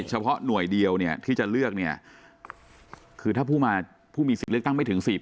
เฉพาะหน่วยเดียวเนี่ยที่จะเลือกเนี่ยคือถ้าผู้มาผู้มีสิทธิ์เลือกตั้งไม่ถึง๔๐